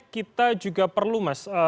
kita juga perlu mas